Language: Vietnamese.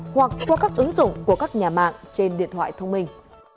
hoặc qua các ứng dụng của các nhà mạng trên điện thoại thông minh